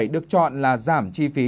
được chọn là giảm chi phí